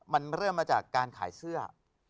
มันเริ่มมาจากการขายเสื้อ